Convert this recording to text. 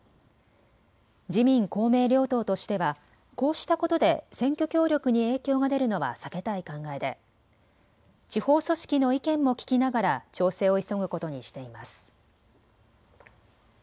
自民公明両党としてはこうしたことで選挙協力に影響が出るのは避けたい考えで地方組織の意見も聞きながら調整を急ぐことにしています。